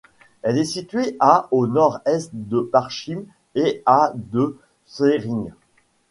Elle est située à au nord-est de Parchim et à de Schwerin.